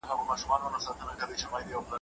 شاګرد په خپله څېړنه کي ډېري لاسته راوړني لرلي.